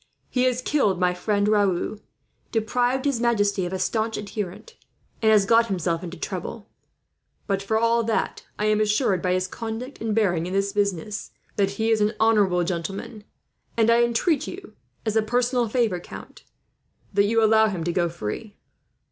He has killed my friend Raoul, deprived his majesty of a staunch adherent, and has got himself into trouble. But for all that, I am assured, by his conduct and bearing in this business, that he is an honourable gentleman; and I intreat you, as a personal favour, count, that you allow him to go free."